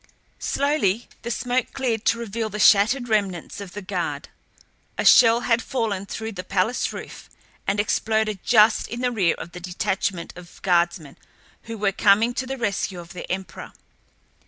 Slowly the smoke cleared to reveal the shattered remnants of the guard. A shell had fallen through the palace roof and exploded just in the rear of the detachment of guardsmen who were coming to the rescue of their emperor.